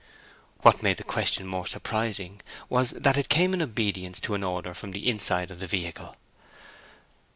What made the question more surprising was that it came in obedience to an order from the interior of the vehicle.